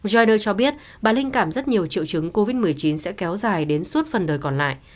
jiders cho biết bà linh cảm rất nhiều triệu chứng covid một mươi chín sẽ kéo dài đến suốt phần đời còn lại